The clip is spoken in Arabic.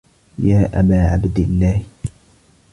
يَا أَبَا عَبْدِ اللَّهِ